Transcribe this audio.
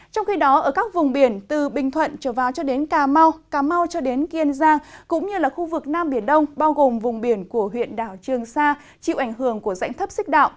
trong khi đó ở các vùng biển từ bình thuận trở vào cho đến cà mau cà mau cho đến kiên giang cũng như là khu vực nam biển đông bao gồm vùng biển của huyện đảo trường sa chịu ảnh hưởng của dãy thấp xích đạo